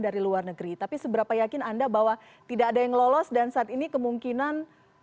dari luar negeri tapi seberapa yakin anda bahwa tidak ada yang lolos dan saat ini kemungkinan